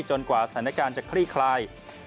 กว่าสถานการณ์จะคลี่คลาย